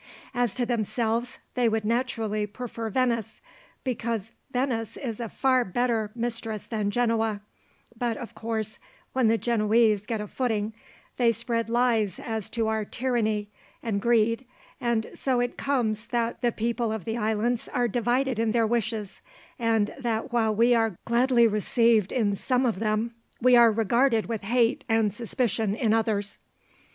"As to themselves, they would naturally prefer Venice, because Venice is a far better mistress than Genoa; but of course, when the Genoese get a footing, they spread lies as to our tyranny and greed, and so it comes that the people of the islands are divided in their wishes, and that while we are gladly received in some of them, we are regarded with hate and suspicion in others."